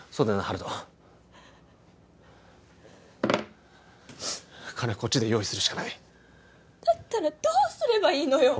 温人金はこっちで用意するしかないだったらどうすればいいのよ